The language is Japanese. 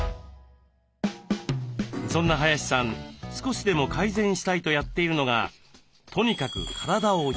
そんな林さん少しでも改善したいとやっているのがとにかく体を冷やすこと。